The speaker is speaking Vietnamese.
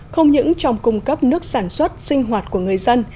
không những trong cung cấp nước sản xuất sinh hoạt của người dân